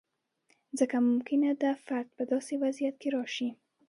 ځکه ممکنه ده فرد په داسې وضعیت کې راشي.